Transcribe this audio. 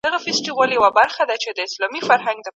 ړندوي د ابوجهل غبرګي سترګي